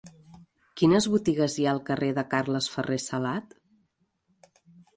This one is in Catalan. Quines botigues hi ha al carrer de Carles Ferrer Salat?